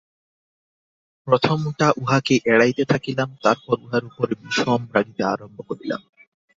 প্রথমটা উহাকে এড়াইতে থাকিলাম, তার পর উহার উপরে বিষম রাগিতে আরম্ভ করিলাম।